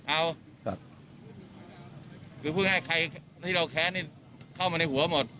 เอาคือพูดง่ายใครที่เราแค้นนี่เข้ามาในหัวหมด